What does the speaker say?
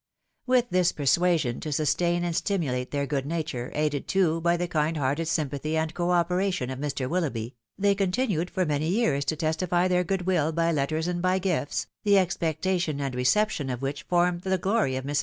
With this persuasion to sustain and stimulate their good nature, aided, too, by the kind hearted sympathy and co operation of Mr. Willoughby, they continued for many years to testify their good will by letters and by gifts, the expectation and reception of which formed the glory of Airs.